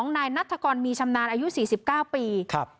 นายนัฐกรมีชำนาญอายุ๔๙ปี